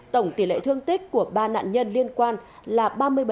tổng tỷ lệ thương tích của ba nạn nhân liên quan là ba mươi bảy